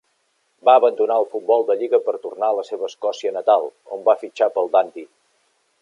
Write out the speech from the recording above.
Va abandonar el futbol de lliga per tornar a la seva Escòcia natal, on va fitxar pel Dundee.